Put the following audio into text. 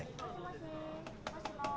もしもし。